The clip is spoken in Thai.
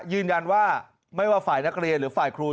ยืนยันว่าไม่ว่าฝ่ายนักเรียนหรือฝ่ายครู